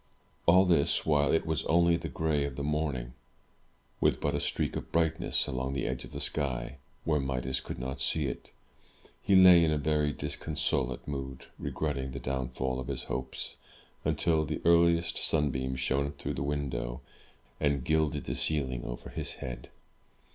All this while, it was only the gray of the morning, with but a streak of brightness along the edge of the sky, where Midas could not see it. He lay in a very disconsolate mood, regretting the downfall of his hopes, until the earliest sunbeam shone through the window, and gilded the ceiling over his head.